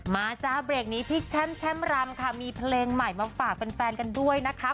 จ้าเบรกนี้พี่แช่มรำค่ะมีเพลงใหม่มาฝากแฟนกันด้วยนะคะ